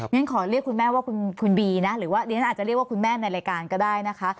ฉันขอเรียกคุณแม่ว่าคุณบีนะหรือว่าดิฉันอาจจะเรียกว่าคุณแม่ในรายการก็ได้นะคะ